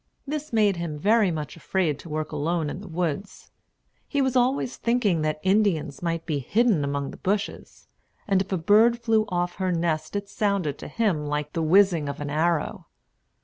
This made him very much afraid to work alone in the woods. He was always thinking that Indians might be hidden among the bushes; and if a bird flew off her nest it sounded to him like the whizzing of an arrow.